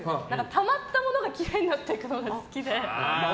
たまったものがきれいになっていくのが好きで。